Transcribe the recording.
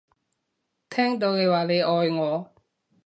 聽到你話你愛我